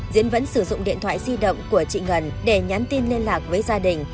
diễn vẫn sử dụng điện thoại di động của chị ngân để nhắn tin liên lạc với gia đình